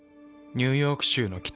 ニューヨーク州の北。